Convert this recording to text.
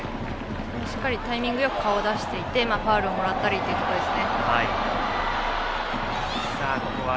しっかりタイミングよく顔を出していてファウルをもらったりというところですね。